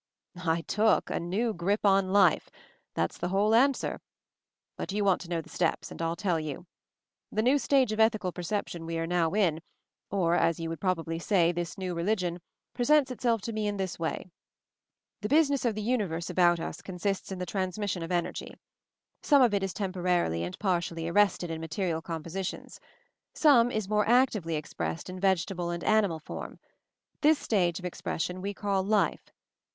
"I took a new grip on Life — that's the whole answer. But you want to know the steps, and I'll tell you. The new stage of ethical perception we are in now — or, as you would probably say, this new religion pre sents itself to me in this way : "The business of the universe about us con sists in the Transmission of Energy. Some of it is temporarily and partially arrested in material compositions; some is more ac tively expressed in vegetable and animal form; this stage of expression we call Life.